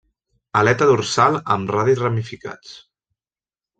Aleta dorsal amb radis ramificats.